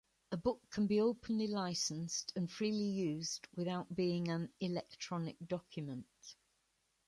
A book can be openly licensed and freely used without being an "electronic" document.